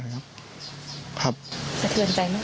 สะเทือนใจไหม